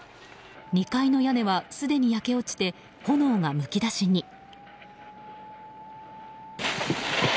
２階の屋根はすでに焼け落ちて炎がむき出しに。